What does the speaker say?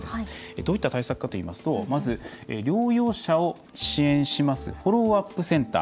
どういった対策かというとまずは、療養者を支援しますフォローアップセンター。